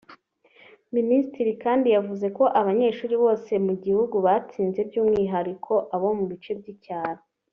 Minisitiri kandi yavuze ko abanyeshuri bose mu gihugu batsinze by’umwihariko abo mu bice by’icyaro